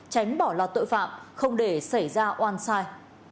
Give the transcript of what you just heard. tránh bỏ lọt tội phạm không để xảy ra oan sai